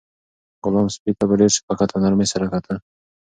غلام سپي ته په ډېر شفقت او نرمۍ سره کتل.